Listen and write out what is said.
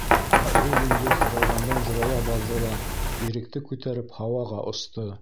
Ә ул йондоҙ ҙурайғандан-ҙурая барҙы ла Иректе күтәреп һауаға осто.